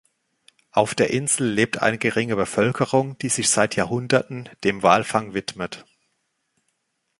Auf der Insel lebt eine geringe Bevölkerung, die sich seit Jahrhunderten dem Walfang widmet.